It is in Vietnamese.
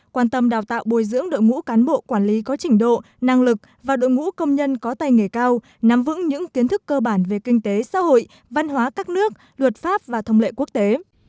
quan tâm đào tạo bồi dưỡng đội ngũ cán bộ quản lý có trình độ năng lực và đội ngũ công nhân có tay nghề cao nắm vững những kiến thức cơ bản về kinh tế xã hội văn hóa các nước luật pháp và thông lệ quốc tế